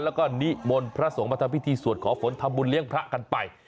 แล้วก็นิมนต์พระสงฆ์มาทำพิธีสวดขอฝนทำบุญเลี้ยงพระกันไป